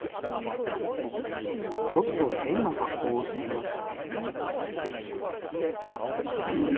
ちょっと変な格好をしています。